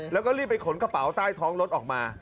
แล้วก็รีบไปขนกระเป๋าใต้ท้องรถออกมา